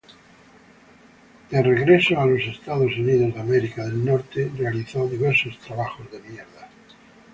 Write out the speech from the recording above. De regreso a los Estados Unidos realizó diversos trabajos.